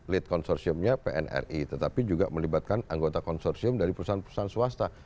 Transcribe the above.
lead konsorsiumnya pnri tetapi juga melibatkan anggota konsorsium dari perusahaan perusahaan swasta